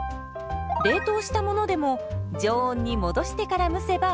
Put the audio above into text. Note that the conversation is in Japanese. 冷凍したものでも常温に戻してから蒸せばＯＫ。